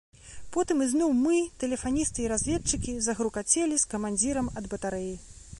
Потым ізноў мы, тэлефаністы і разведчыкі, загрукацелі з камандзірам ад батарэі.